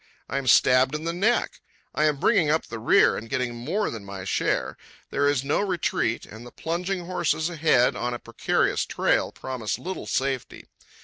I am stabbed in the neck. I am bringing up the rear and getting more than my share. There is no retreat, and the plunging horses ahead, on a precarious trail, promise little safety.